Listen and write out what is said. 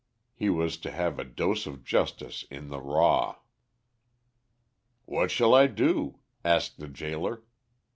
He was to have a dose of justice in the raw. "What shall I do?" asked the gaoler.